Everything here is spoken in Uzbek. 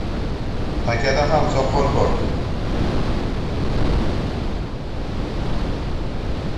• Takada ham soqol bor.